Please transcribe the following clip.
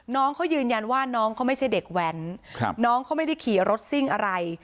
น้องเขายืนยันว่าน้องเขาไม่ใช่เด็กแว้นน้องเขาไม่ได้ขี่รถซิ่งอะไร